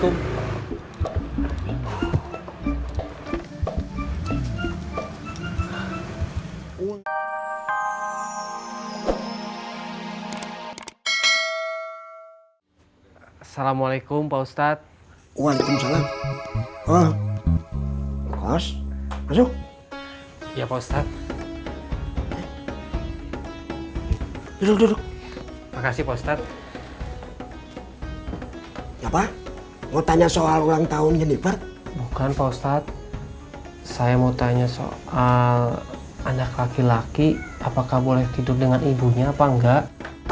bukan pak ustadz saya mau tanya soal anak laki laki apakah boleh tidur dengan ibunya apa enggak